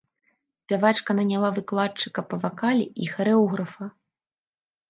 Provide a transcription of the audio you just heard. Спявачка наняла выкладчыка па вакале і харэографа.